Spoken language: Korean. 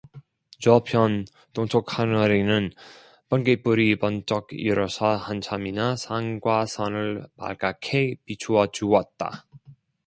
저편 동쪽 하늘에는 번갯불이 번쩍 일어서 한참이나 산과 산을 발갛게 비추어 주었다.